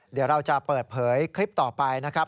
เดี๋ยวเราจะเปิดเผยคลิปต่อไปนะครับ